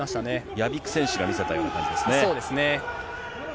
屋比久選手が見せたような感そうですね。